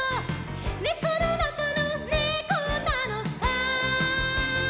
「ねこのなかのねこなのさ」